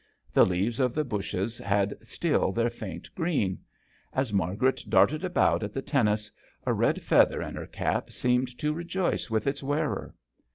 The leaves of the bushes had still their faint green. As Margaret darted about at the tennis, a red feather in her cap seemed to rejoice with its wearer.